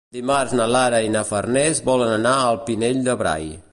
Dimarts na Lara i na Farners volen anar al Pinell de Brai.